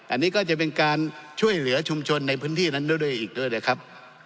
อันนี้ก็จะเป็นการช่วยเหลือชุมชนในพื้นที่นั้นด้วยอีกด้วยนะครับ